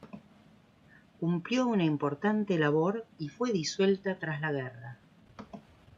Cumplió una importante labor y fue disuelta tras la guerra.